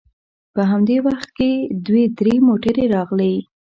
په همدې وخت کې دوې درې موټرې راغلې.